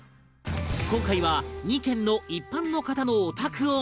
今回は２軒の一般の方のお宅を巡る